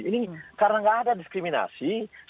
ini karena nggak ada diskriminasi semua sama